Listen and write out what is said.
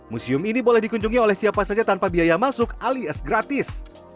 museum ini boleh dikunjungi oleh siapa saja tanpa biaya masuk alias gratis